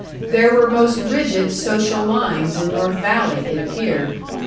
There were most rigid social lines in North Valley, it appeared.